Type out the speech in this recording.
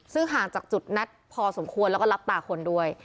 ซึ่งห่างจากจุดนัดพอสมควรแล้วก็รับตาคนด้วย